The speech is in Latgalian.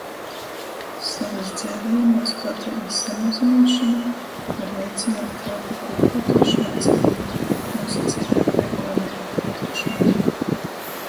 Sovys dzeivojamuos plateibys samazynuošona var veicynuot telpu kūplītuošonu ar cytim. Nūsaceita apreikuojuma kūplītuošona.